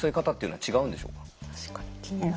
確かに気になる。